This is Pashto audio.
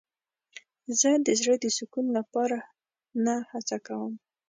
زه د زړه د سکون لپاره نه هڅه کوم.